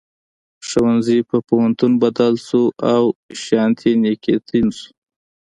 ښوونځي په پوهنتون بدل شو او شانتي نیکیتن شو.